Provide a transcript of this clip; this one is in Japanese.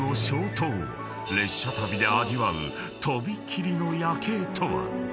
［列車旅で味わう飛び切りの夜景とは？］